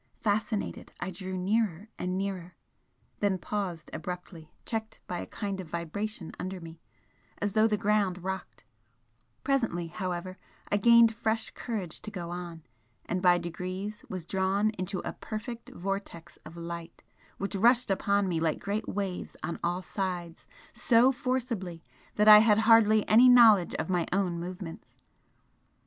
Fascinated, I drew nearer and nearer then paused abruptly, checked by a kind of vibration under me, as though the ground rocked presently, however, I gained fresh courage to go on, and by degrees was drawn into a perfect vortex of light which rushed upon me like great waves on all sides so forcibly that I had hardly any knowledge of my own movements.